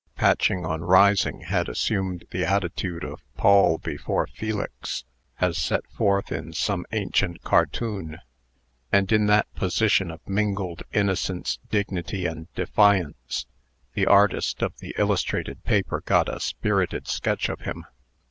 Patching, on rising, had assumed the attitude of Paul before Felix, as set forth in some ancient cartoon; and in that position of mingled innocence, dignity, and defiance, the artist of the illustrated paper got a spirited sketch of him.